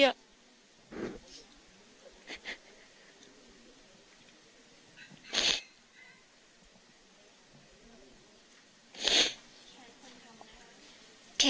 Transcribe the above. จนกลับมาอันนี้เราก็กลับมาถึงตอนนี้แกว่าจะปลอดภัยโทษนะครับ